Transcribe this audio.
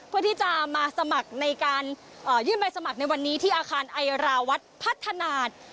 เพื่อที่จะมาสมัครในการยื่นใบสมัครในวันนี้ที่อาคารไอราวัฒน์พัฒนา